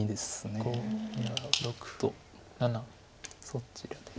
そちらで。